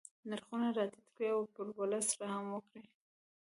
نرخونه را ټیټ کړي او پر ولس رحم وکړي.